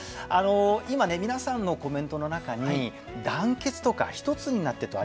今ね皆さんのコメントの中に団結とか一つになってとありました。